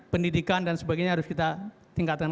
pendidikan dan sebagainya harus kita tingkatkan